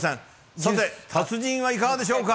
さて、達人はいかがでしょうか。